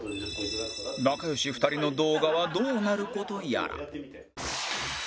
仲良し２人の動画はどうなる事やら